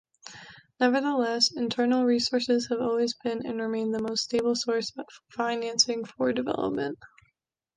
Nevertheless, internal resources have always been and remain the most stable source of financing for development.